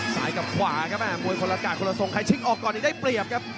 สายกับขวาครับอ่ะมวลคนละก่ายคนละทรงใครชิคออกก่อนเดียวได้เปรียบครับ